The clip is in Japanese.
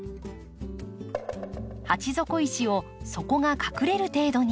鉢底石を底が隠れる程度に。